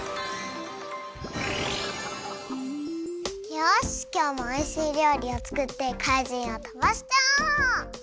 よしきょうもおいしいりょうりをつくってかいじんをとばしちゃおう！